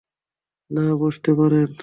না, বসতে পারেন।